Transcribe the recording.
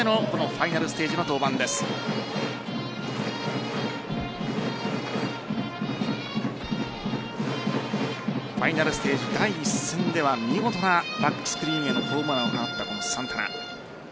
ファイナルステージ第１戦では見事なバックスクリーンへのホームランを放ったサンタナ。